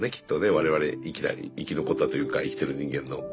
我々生き残ったというか生きてる人間の。